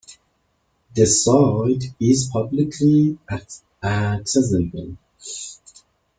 The site is publicly accessible.